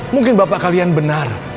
mungkin bapak kalian benar